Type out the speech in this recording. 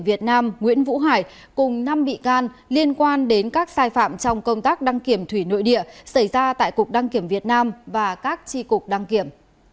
việt nam nguyễn vũ hải cùng năm bị can liên quan đến các sai phạm trong công tác đăng kiểm thủy nội địa xảy ra tại cục đăng kiểm việt nam và các tri cục đăng kiểm